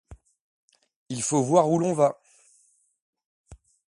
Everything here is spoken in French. Il faut voir où l’on va !